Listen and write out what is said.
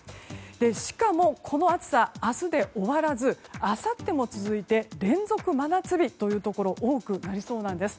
しかも、この暑さ明日で終わらずあさっても続いて連続真夏日というところが多くなりそうなんです。